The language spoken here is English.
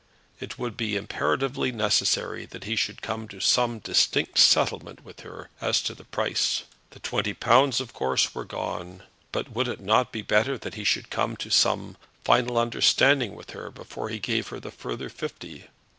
It would be imperatively necessary that he should come to some distinct settlement with her as to price. The twenty pounds, of course, were gone; but would it not be better that he should come to some final understanding with her before he gave her the further fifty?